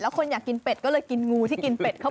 เขาบอกว่าสร้างความเผ็ดร้อนได้อย่างดีเลยทีเดียวนะครับ